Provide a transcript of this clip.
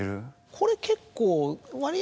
これ結構。